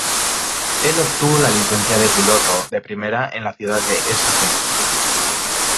Él obtuvo la licencia de piloto de primera en la ciudad de St.